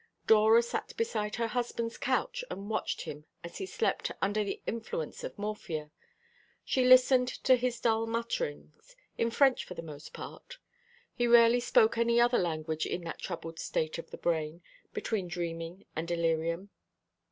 Dora sat beside her husband's couch and watched him as he slept under the influence of morphia. She listened to his dull mutterings, in French for the most part. He rarely spoke any other language in that troubled state of the brain between dreaming and delirium.